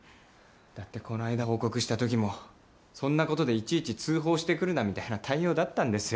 だってこの間報告した時もそんな事でいちいち通報してくるなみたいな対応だったんですよ。